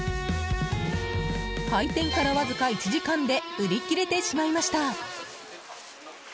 開店から、わずか１時間で売り切れてしまいました。